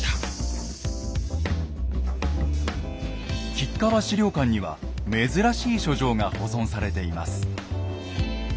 吉川史料館には珍しい書状が保存されています。